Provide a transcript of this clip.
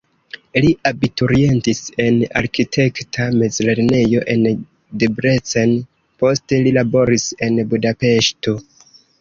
Li abiturientis en arkitekta mezlernejo en Debrecen, poste li laboris en Budapeŝto.